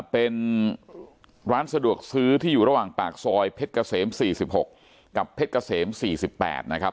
เป็นร้านสะดวกซื้อที่อยู่ระหว่างปากซอยเพชรเกษม๔๖กับเพชรเกษม๔๘นะครับ